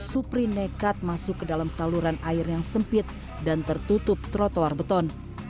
supri nekat masuk ke dalam saluran air yang sempit dan tertutup trotoar beton